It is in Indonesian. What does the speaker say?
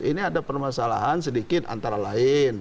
ini ada permasalahan sedikit antara lain